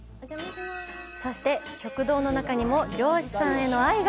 そして、食堂の中にも漁師さんへの愛が！